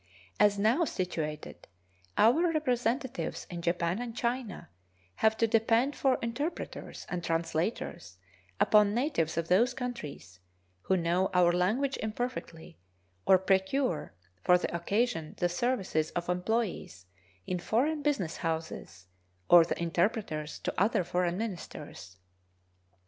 As now situated, our representatives in Japan and China have to depend for interpreters and translators upon natives of those countries, who know our language imperfectly, or procure for the occasion the services of employees in foreign business houses or the interpreters to other foreign ministers.